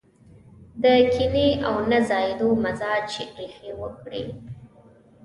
د کينې او نه ځايېدو مزاج ريښې وکړي.